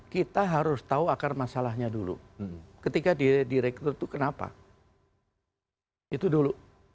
kita harus tahu akar masalahnya dulu ketika direktur itu kenapa itu dulu